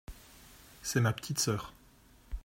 C'est ma petite sœur.